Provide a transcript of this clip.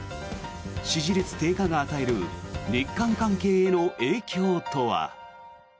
支持率低下が与える日韓関係への影響とは。